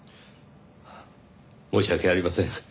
申し訳ありません。